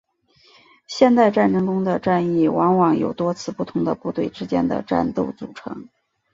现代战争中的战役往往由多次不同的部队之间的战斗组成。